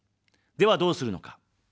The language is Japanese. では、どうするのか。